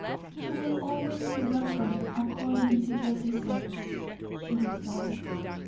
"You will always be welcomed according to your deserts," she replied.